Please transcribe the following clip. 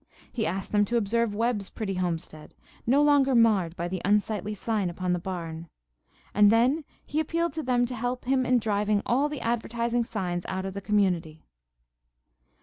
He asked them to observe Webb's pretty homestead, no longer marred by the unsightly sign upon the barn. And then he appealed to them to help him in driving all the advertising signs out of the community.